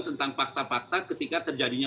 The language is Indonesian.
tentang fakta fakta ketika terjadinya